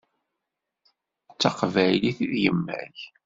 D taqbaylit i d yemma-k.